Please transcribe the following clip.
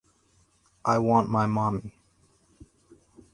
I want my mommy.